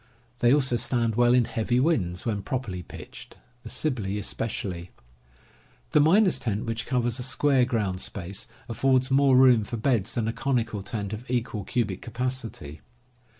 They also stand well in heavy winds, when properly pitched, the Sibley especially. The miner's tent, which covers a square ground space, affords more room for beds than a conical tent of equal cubic capacity.